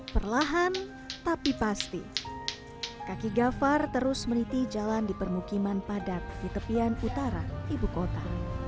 perlahan tapi pasti kaki gafar terus meniti jalan di permukiman padat di tepian utara ibu kota